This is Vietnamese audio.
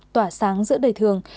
tỏa sáng giữa đời thường